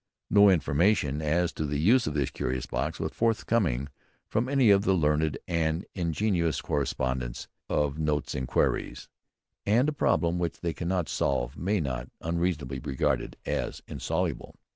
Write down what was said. No information as to the use of this curious box was forthcoming from any of the learned and ingenious correspondents of Notes and Queries; and a problem which they cannot solve may not unreasonably be regarded as insoluble.